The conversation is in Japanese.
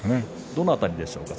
どの辺りでしょうか。